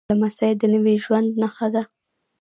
لمسی د نوي ژوند نښه ده.